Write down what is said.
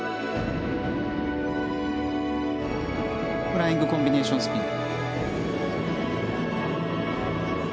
フライングコンビネーションスピン。